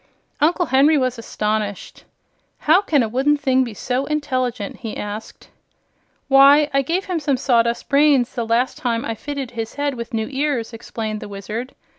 Uncle Henry was astonished. "How can a wooden thing be so intelligent?" he asked. "Why, I gave him some sawdust brains the last time I fitted his head with new ears," explained the Wizard.